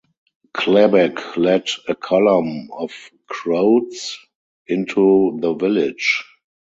Klebeck led a column of Croats into the village.